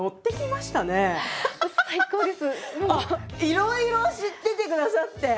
いろいろ知っててくださって。